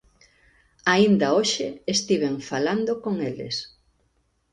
Aínda hoxe estiven falando con eles.